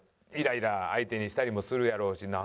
イライラ相手にしたりもするやろうし。